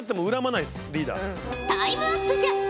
タイムアップじゃ。